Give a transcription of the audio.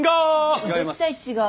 絶対違う。